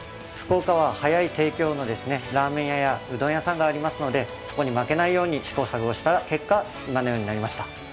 福岡は早い提供のラーメン屋やうどん屋さんがありますのでそこに負けないように試行錯誤した結果、結果、今のようになりました。